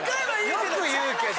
よく言うけど。